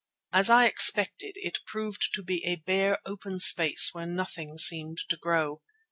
As I expected, it proved to be a bare, open space where nothing seemed to grow.